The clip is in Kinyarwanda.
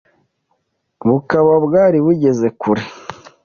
bukaba bwari bugeze kure